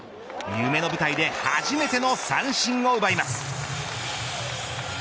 夢の舞台で初めての三振を奪います。